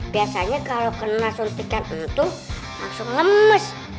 biasanya kalau kena suntikan entuh langsung ngemes